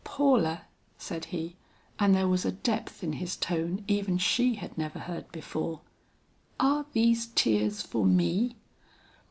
"Paula," said he, and there was a depth in his tone even she had never heard before, "are these tears for me?"